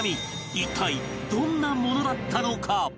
一体どんなものだったのか？